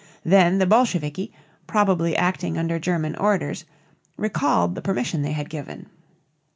Then the Bolsheviki, probably acting under German orders, recalled the permission they had given.